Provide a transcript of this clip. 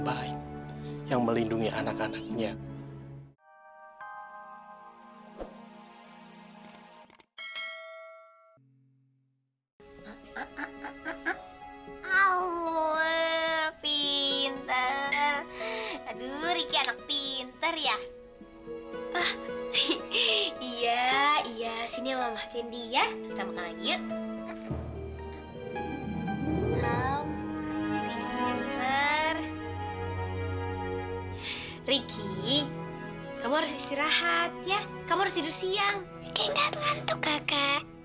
riki enggak tentu kakak